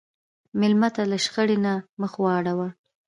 مېلمه ته له شخړې نه مخ واړوه.